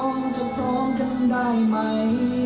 เราทุกคนจะพบกันได้ไหม